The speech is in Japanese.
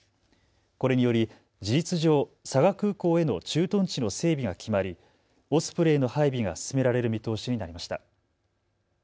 これにより事実上、佐賀空港への駐屯地の整備が決まりオスプレイの配備が進められる見通しになりました。